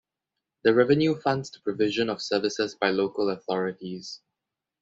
The revenue funds the provision of services by local authorities.